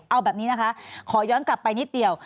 เอาแบบนี้นะคะขอย้อนกลับไปนิดเดียว